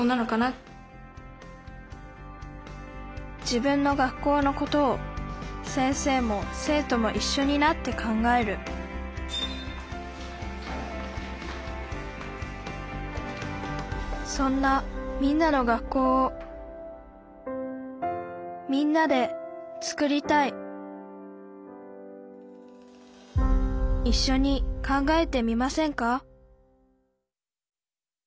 自分の学校のことを先生も生徒もいっしょになって考えるそんなみんなの学校をみんなで作りたいいっしょに考えてみませんか？